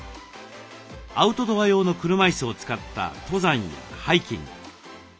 アウトドア用の車いすを使った登山やハイキング。